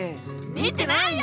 見てないよ！